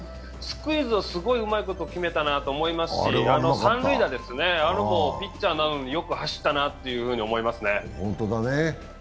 スクイズをすごいうまいこと決めたなと思いましたし三塁打ですね、ピッチャーなのによく走ったなと思いますね。